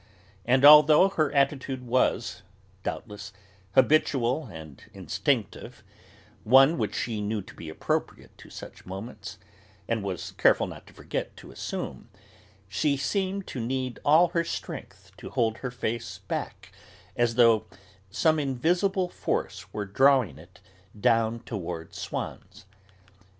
And although her attitude was, doubtless, habitual and instinctive, one which she knew to be appropriate to such moments, and was careful not to forget to assume, she seemed to need all her strength to hold her face back, as though some invisible force were drawing it down towards Swann's.